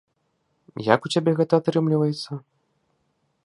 Як у цябе гэта атрымліваецца?